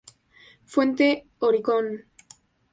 Fuente: Oricon.